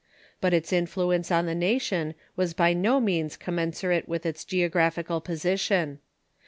But its influence on the nation was by no means commensurate with its geographical position.